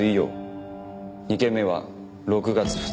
２件目は６月２日木曜。